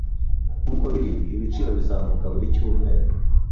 Nkuko biri, ibiciro bizamuka buri cyumweru.